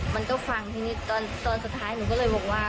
มันก็ฟังทีนี้ตอนสุดท้ายหนูก็เลยบอกว่า